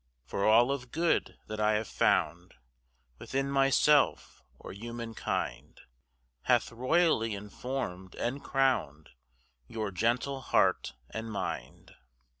For all of good that I have found Within myself, or human kind, Hath royally informed and crowned Your gentle heart and mind.